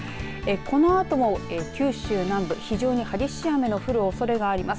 このあとも九州南部非常に激しい雨の降るおそれがあります。